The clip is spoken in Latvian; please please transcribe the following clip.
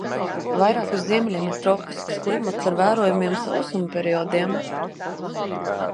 Vairāk uz ziemeļiem ir tropisks klimats ar vērojamiem sausuma periodiem.